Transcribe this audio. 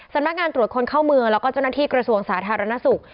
สำนักงานตรวจคนเข้าเมืองแล้วก็เจ้าหน้าที่กระทรวงสาธารณสุข